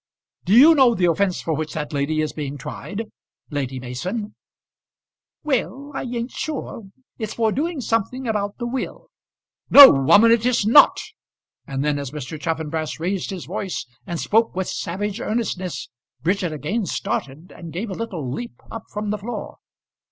"Do you know the offence for which that lady is being tried Lady Mason?" "Well, I ain't sure; it's for doing something about the will." "No, woman, it is not." And then, as Mr. Chaffanbrass raised his voice, and spoke with savage earnestness, Bridget again started, and gave a little leap up from the floor.